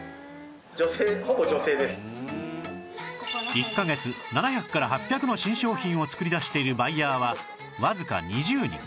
１カ月７００から８００の新商品を作り出しているバイヤーはわずか２０人